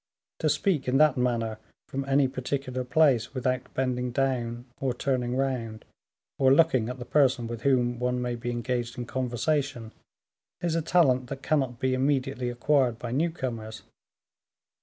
To speak in that manner from any particular place without bending down, or turning round, or looking at the person with whom one may be engaged in conversation, is a talent that cannot be immediately acquired by newcomers.